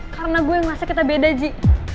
karena gue ngerasa kita beda ji